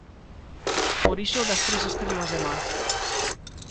Por iso o das tres estrelas de mar.